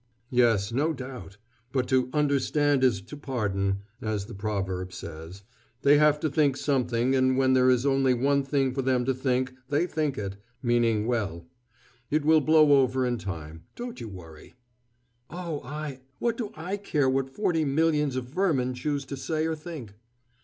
"Yes, no doubt. But 'to understand is to pardon,' as the proverb says. They have to think something, and when there is only one thing for them to think, they think it meaning well. It will blow over in time. Don't you worry." "Oh, I! What do I care what forty millions of vermin choose to say or think?"